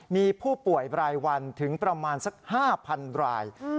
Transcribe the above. มีผู้ป่วยรายวันถึงประมาณสัก๕๐๐๐ราย